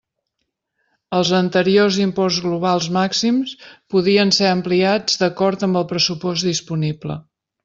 Els anteriors imports globals màxims podien ser ampliats d'acord amb el pressupost disponible.